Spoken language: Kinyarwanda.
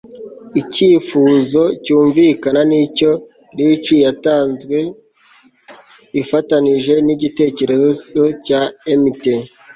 Icyifuzo cyumvikana nicyo Leech yatanzwe ifatanije nigitekerezo cya Emmet